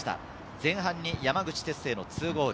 前半に山口輝星の２ゴール。